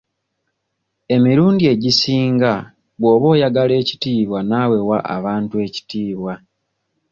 Emirundi egisinga bw'oba oyagala ekitiibwa naawe wa abantu ekitiibwa.